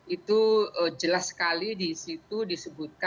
itu jelas sekali di situ disebutkan